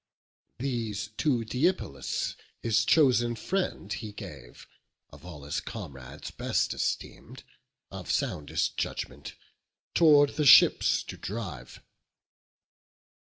These to Deipylus, his chosen friend, He gave, of all his comrades best esteem'd, Of soundest judgment, tow'rd the ships to drive.